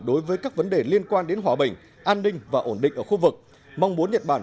đối với các vấn đề liên quan đến hòa bình an ninh và ổn định ở khu vực mong muốn nhật bản